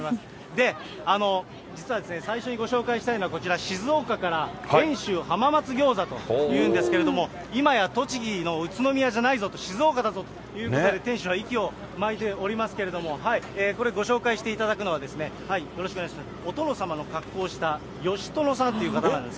で、実はですね、最初にご紹介したいのはこちら、静岡から遠州浜松餃子というんですが、今や栃木の宇都宮じゃないぞと、静岡だぞということで、店主は息をまいておりますけれども、これ、ご紹介していただくのは、よろしくお願いします。